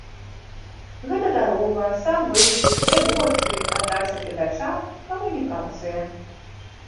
Гэта дарога, сам выступ, эмоцыі, аддача гледача, камунікацыя.